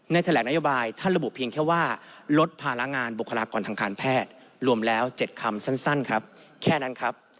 แถลงนโยบายท่านระบุเพียงแค่ว่าลดภาระงานบุคลากรทางการแพทย์รวมแล้ว๗คำสั้นครับแค่นั้นครับ